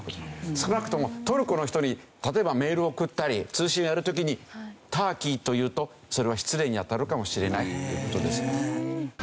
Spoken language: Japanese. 少なくともトルコの人に例えばメールを送ったり通信をやる時にターキーと言うとそれは失礼にあたるかもしれないという事ですよ。